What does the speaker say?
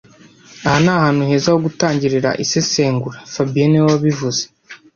Aha ni ahantu heza ho gutangirira isesengura fabien niwe wabivuze